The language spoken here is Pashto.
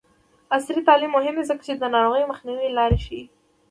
عصري تعلیم مهم دی ځکه چې د ناروغیو مخنیوي لارې ښيي.